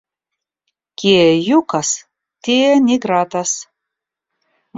Kie jukas, tie ni gratas.